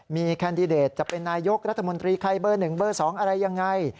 มีแคนดิเดตจะเป็นนายกรัฐมนตรีใครเบอร์๑เบอร์๒อะไรยังไง